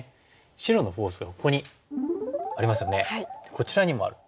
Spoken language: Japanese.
こちらにもある。